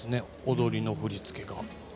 踊りの振り付けが。